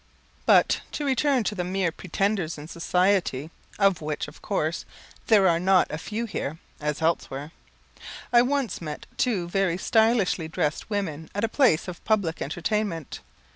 But, to return to the mere pretenders in society, of which, of course, there are not a few here, as elsewhere. I once met two very stylishly dressed women at a place of public entertainment.